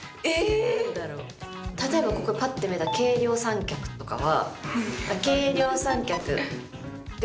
例えばパッと見えた「軽量三脚」とかは。